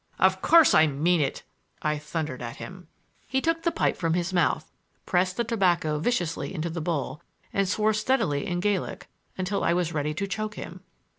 "Of course I mean it!" I thundered at him. He took the pipe from his mouth, pressed the tobacco viciously into the bowl, and swore steadily in Gaelic until I was ready to choke him.